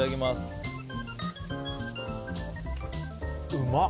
うまっ！